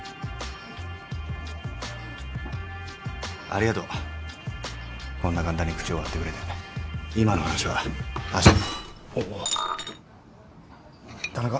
ありがとうこんな簡単に口を割ってくれて今の話は明日おおっ田中？